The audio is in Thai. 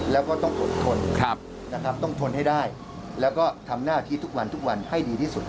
แล้วก็ต้องอดทนต้องทนให้ได้แล้วก็ทำหน้าที่ทุกวันทุกวันให้ดีที่สุด